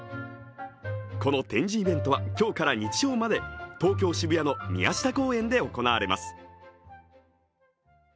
この展示イベントは今日から日曜まで東京・渋谷の宮下公園で行われます。